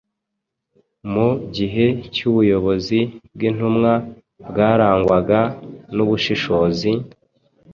Mu gihe cy’ubuyobozi bw’intumwa bwarangwaga n’ubushishozi,